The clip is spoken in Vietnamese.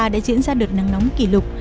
đã diễn ra đợt nắng nóng kỷ lục